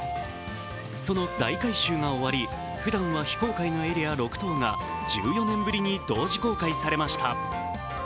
その大改修が終わり、ふだんは非公開のエリア６棟が１４年ぶりに同時公開されました。